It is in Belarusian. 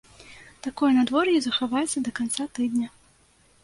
Такое надвор'е захаваецца да канца тыдня.